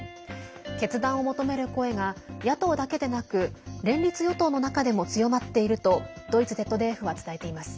決断を求める声が野党だけでなく連立与党の中でも強まっているとドイツＺＤＦは伝えています。